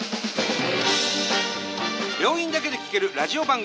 病院だけで聴けるラジオ番組。